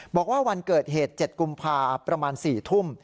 บอกว่าวันเกิดเหตุ๗กุมภาประมาณ๔ทุ่ม